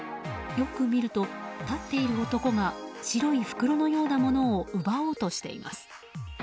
よく見ると、立っている男が白い袋のようなものを奪おうとしています。